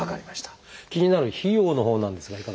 気になる費用のほうなんですがいかがでしょう？